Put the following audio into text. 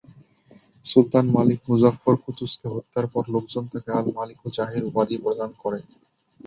সুলতান Malik Muzaffar কুতুযকে হত্যার পর লোকজন তাকে আল-মালিকু যাহির উপাধি প্রদান করে।